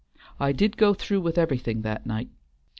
I did go through with everything that night.